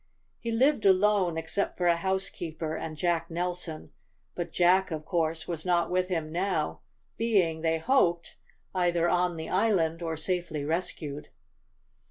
He lived alone, except for a housekeeper and Jack Nelson, but Jack, of course, was not with him now, being, they hoped, either on the island or safely rescued.